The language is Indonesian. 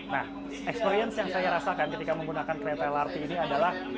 nah experience yang saya rasakan ketika menggunakan kereta lrt ini adalah